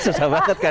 susah banget kan